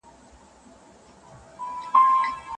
څنګه د بورا د سینې اور وینو